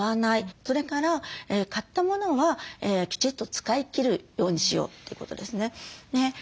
それから買ったものはきちっと使いきるようにしようってことですね。